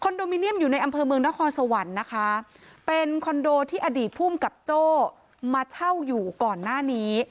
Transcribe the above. โดมิเนียมอยู่ในอำเภอเมืองนครสวรรค์นะคะเป็นคอนโดที่อดีตภูมิกับโจ้มาเช่าอยู่ก่อนหน้านี้